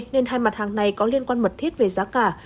nên hai mặt hàng này có liên quan mật thiết về giá cả